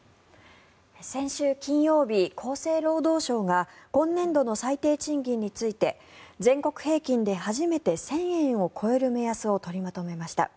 先週金曜日、厚生労働省が今年度の最低賃金について全国平均で初めて１０００円を超える目安を取りまとめました。